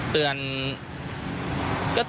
เตือนกี่ครั้ง